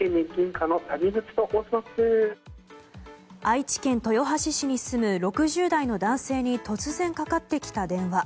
愛知県豊橋市に住む６０代の男性に突然かかってきた電話。